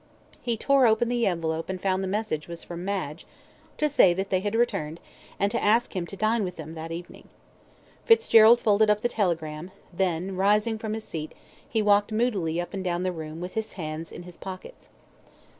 He tore open the envelope and found the message was from Madge, to say that they had returned, and to ask him to dine with them that evening. Fitzgerald folded up the telegram, then rising from his seat, he walked moodily up and down the room with his hands in his pockets.